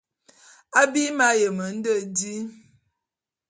Abim m'ayem nde di.